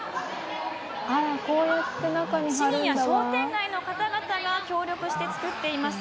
市民や商店街の方々が協力して作っています。